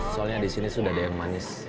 soalnya di sini sudah ada yang manis